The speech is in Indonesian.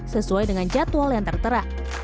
sesuai dengan jadwal yang tertera